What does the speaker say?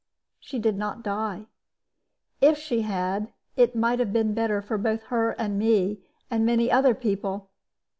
She did not die; if she had, it might have been better both for her and me, and many other people.